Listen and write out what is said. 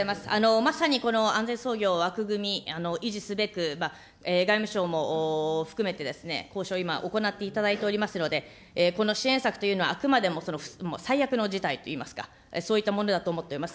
まさにこの安全操業枠組み、維持すべく、外務省も含めて交渉、今、行っていただいておりますので、この支援策というのはあくまでも最悪の事態といいますか、そういったものだと思っております。